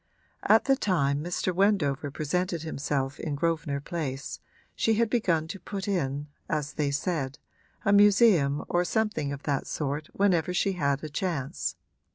At the time Mr. Wendover presented himself in Grosvenor Place she had begun to put in, as they said, a museum or something of that sort whenever she had a chance.